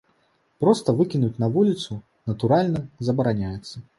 Проста выкінуць на вуліцу, натуральна, забараняецца.